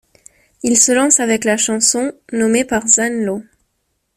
Il se lance avec la chanson ', nommée par Zane Lowe.